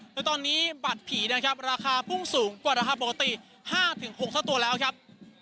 และตอนนี้บัตรผีราคาพุ่งสูงกว่าราคาปกติ๕๖ตัวแล้วครับ